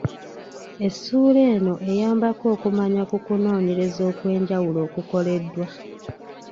Essuula eno eyambako okumanya ku kunoonyereza okw’enjawulo okukoleddwa.